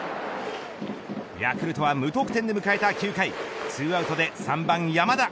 ヤクルトは無得点で迎えた９回２アウトで３番、山田。